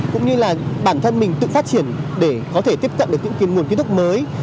cũng như là bản thân mình tự phát triển để có thể tiếp cận được những nguồn kiến thức mới